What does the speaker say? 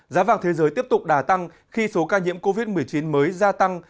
giá vàng thế giới tiếp tục đà tăng khi số ca nhiễm covid một mươi chín mới gia tăng